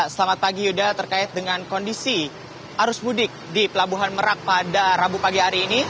selamat pagi yuda terkait dengan kondisi arus mudik di pelabuhan merak pada rabu pagi hari ini